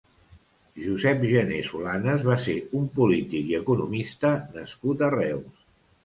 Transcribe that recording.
Josep Gener Solanes va ser un polític i economista nascut a Reus.